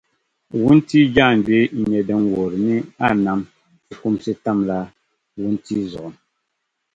Wuntia jaaŋgbee n-nyɛ din wuhiri ni a nam fukumsi tam la wuntia zuɣu